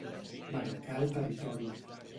Marcar el territori.